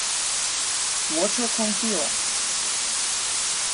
Wocho konkio.